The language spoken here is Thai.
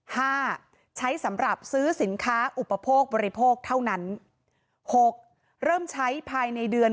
ใช้สำหรับซื้อสินค้าอุปโภคบริโภคเท่านั้นหกเริ่มใช้ภายในเดือน